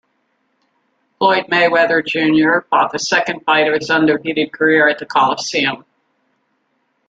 Floyd Mayweather, Junior fought the second fight of his undefeated career at the coliseum.